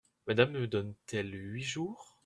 Madame me donne-t-elle huit jours ?…